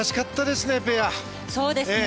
そうですね。